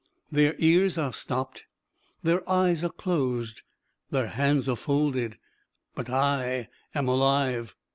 Their ears are stopped, their eyes are closed, their hands are folded but I am alive.